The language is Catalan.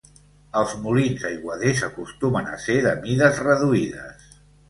Els molins aiguaders acostumen a ser de mides reduïdes.